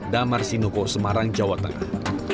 damar sinuko semarang jawa tengah